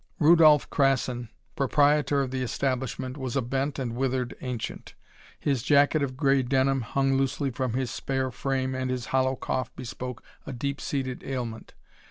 Rudolph Krassin, proprietor of the establishment, was a bent and withered ancient. His jacket of gray denim hung loosely from his spare frame and his hollow cough bespoke a deep seated ailment.